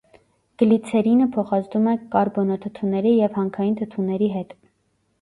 Գլիցերինը փոխազդում է կարբոնաթթուների և հանքային թթուների հետ։